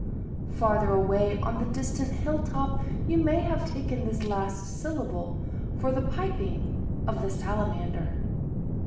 Farther away on the distant hill top you may have taken this last syllable for the piping of the salamander.